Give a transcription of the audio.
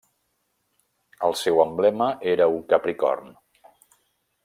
El seu emblema era un capricorn.